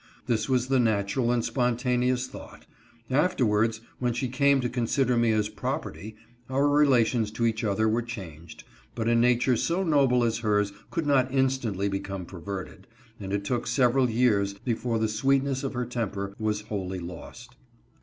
This was the natural and spontaneous thought ; afterwards, when she came to con sider me as property, our relations to each other were changed, but a nature so noble as hers could not instantly become perverted, and it took several years before the sweetness of her temper was wholly lost.